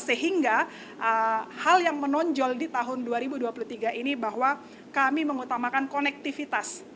sehingga hal yang menonjol di tahun dua ribu dua puluh tiga ini bahwa kami mengutamakan konektivitas